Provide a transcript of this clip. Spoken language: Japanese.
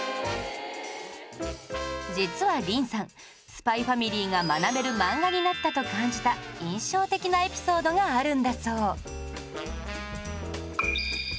実は林さん『ＳＰＹ×ＦＡＭＩＬＹ』が学べる漫画になったと感じた印象的なエピソードがあるんだそう